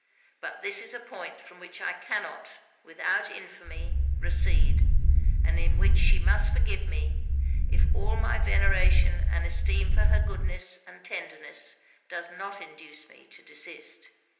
But this is a point from which I cannot, without infamy, recede; and in which she must forgive me, if all my veneration and esteem for her goodness and tenderness does not induce me to desist.'